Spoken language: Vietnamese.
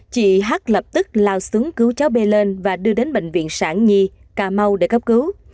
chị h lập tức lao xứng cứu cháu bê lên và đưa đến bệnh viện sản nhi cà mau để cấp cứu